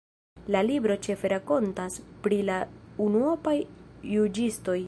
La libro ĉefe rakontas pri la unuopaj juĝistoj.